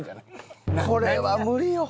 これは無理よ。